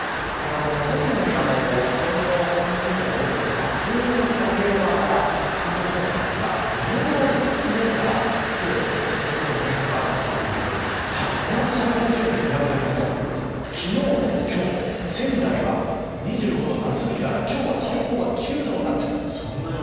特に気温の変化が大きいのが東北の太平洋側から関東地方なんですがどのぐらい昨日から今日で最高気温の変化があるのかというと同じ最高気温で比べてみますと昨日と今日、仙台は２５度の夏日から今日が最高が９度になっちゃった。